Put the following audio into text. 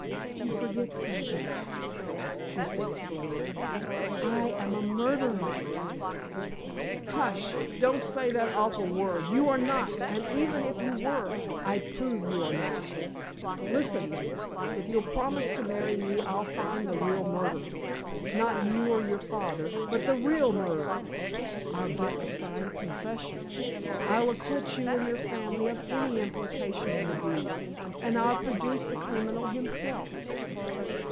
"You forget something," she said, slowly. "I am a murderess!" "Hush! Don't say that awful word! You are not—and even if you were, I'll prove you are not! Listen, Maida, if you'll promise to marry me, I'll find the real murderer—not you or your father, but the real murderer. I'll get a signed confession—I'll acquit you and your family of any implication in the deed, and I'll produce the criminal himself.